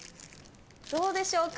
どうでしょうか？